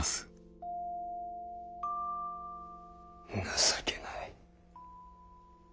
情けない。